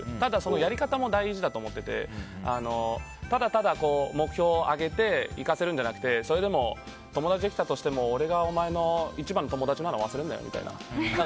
ただそのやり方も大事だと思っていてただただ目標をあげて行かせるんじゃなくてそれでも、友達できたとしても俺がお前の一番の友達なの忘れるなよみたいな。